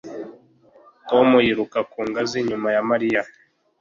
Tom yiruka ku ngazi nyuma ya Mariya